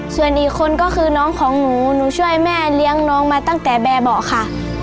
ส่วนอีกคนก็คือน้องของหนูหนูช่วยแม่เลี้ยงน้องมาตั้งแต่แบบเบาะค่ะ